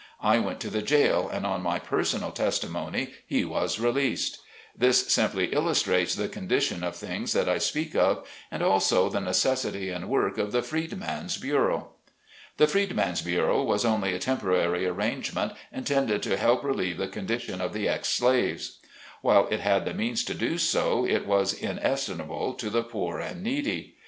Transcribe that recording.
I went to the jail, and on my personal testimony, he was released. This simply illustrates the condition of things that I speak of, and also the necessity and work of the Freedman's Bureau. The Freedman's Bureau was only a temporary arrangement intended to help relieve the condition of the ex slaves. While it had the means to do so it was inestimable to the poor and needy.